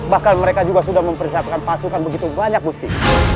bahkan mereka juga sudah mempersiapkan pasukan begitu banyak bukti